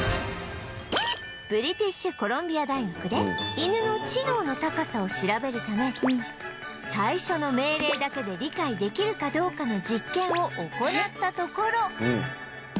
ブリティッシュ・コロンビア大学で犬の知能の高さを調べるため最初の命令だけで理解できるかどうかの実験を行ったところ